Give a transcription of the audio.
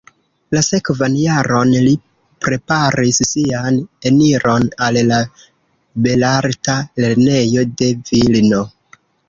La sekvan jaron li preparis sian eniron al la Belarta Lernejo de Vilno.